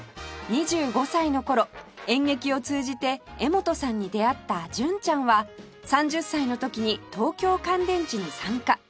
２５歳の頃演劇を通じて柄本さんに出会った純ちゃんは３０歳の時に東京乾電池に参加